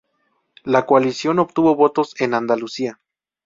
La coalición obtuvo votos en Andalucía.